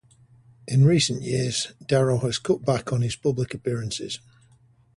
In recent years, Darrow has cut back on his public appearances.